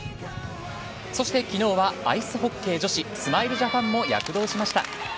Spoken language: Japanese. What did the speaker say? そして昨日はアイスホッケー女子スマイルジャパンも躍動しました。